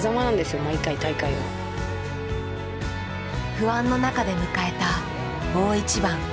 不安の中で迎えた大一番。